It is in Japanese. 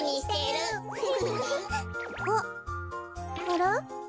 あら？